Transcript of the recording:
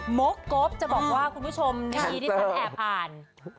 มกกจะบอกว่าคุณผู้ชมได้ยินที่ฉันแอบอ่าน